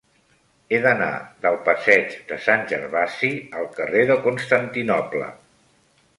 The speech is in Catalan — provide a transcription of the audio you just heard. He d'anar del passeig de Sant Gervasi al carrer de Constantinoble.